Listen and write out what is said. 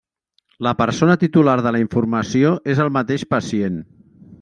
La persona titular de la informació és el mateix pacient.